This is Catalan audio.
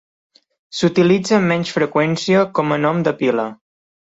S'utilitza amb menys freqüència com a nom de pila.